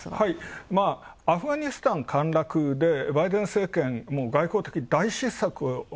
アフガニスタン陥落でバイデン政権、外交的大失策を。